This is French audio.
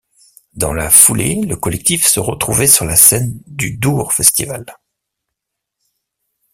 Dans la foulée le collectif se retrouvait sur la scène du Dour festival.